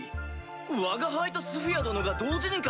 わが輩とスフィア殿が同時にか？